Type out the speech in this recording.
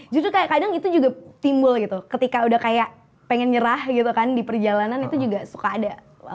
justru kayak kadang itu juga timbul gitu ketika udah kayak pengen nyerah gitu kan di perjalanan itu juga suka ada